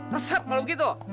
resep kalau begitu